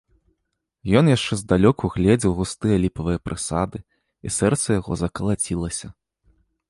Ён яшчэ здалёк угледзеў густыя ліпавыя прысады, і сэрца яго закалацілася.